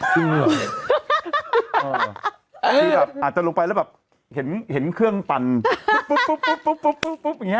เสื้อยือหรออืมที่แบบอาจจะลงไปแล้วแบบเห็นเห็นเครื่องปันปุ๊ปปุ๊ปปุ๊ปปุ๊ปอย่างเงี้ย